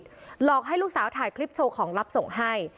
หลอกให้ลูกสาวถ่ายคลิปโชว์ของลับส่งให้